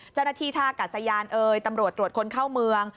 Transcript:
เจ้าหน้าที่ท่ากับสยานเอยตำรวจตรวจคนเข้าเมือง